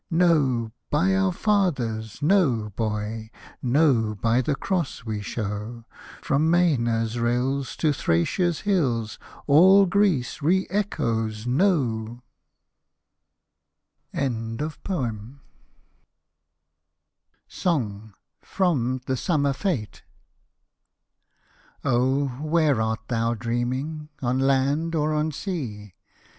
No — by our fathers, no, boy, No, by the Cross we show — From Maina's rills To Thracia's hills All Greece re echoes " No I " SONG (FROM "THE SUMMER FETE") Oh, where art thou dreaming, On land, or on sea